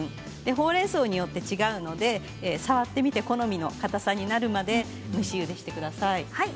ほうれんそうによって違うので触ってみて好みのかたさになるまで蒸しゆでしてください。